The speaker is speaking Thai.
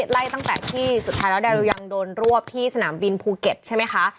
ไล่ตั้งแต่ที่สุดท้ายแล้วดาริวยังโดนรวบที่สนามบินภูเก็ตใช่ไหมคะ